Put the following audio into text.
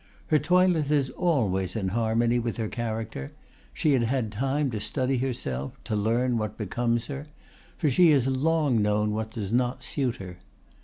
Her toilet is always in harmony with her character; she had had time to study herself, to learn what becomes her, for she has long known what does not suit her.